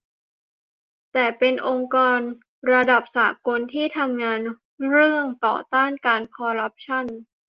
แต่เป็นองค์กรระดับสากลที่ทำงานเรื่องต่อต้านการคอร์รัปชั่น